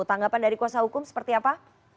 tanggapan dari kuasa hukum seperti apa